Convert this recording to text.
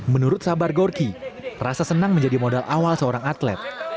menurut sabar gorki rasa senang menjadi modal awal seorang atlet